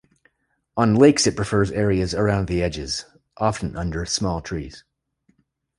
On lakes it prefers areas around the edges, often under small trees.